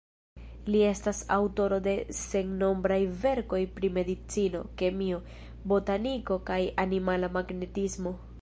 Li estas aŭtoro de sennombraj verkoj pri Medicino, Kemio, Botaniko kaj Animala Magnetismo.